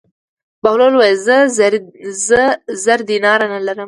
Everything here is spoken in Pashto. بهلول وویل: زه زر دیناره نه لرم.